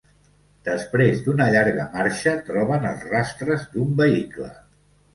Després d'una llarga marxa, troben els rastres d'un vehicle.